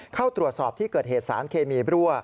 เข้าตรวจสอบที่เกิดเหตุสารเคมีบรั่ว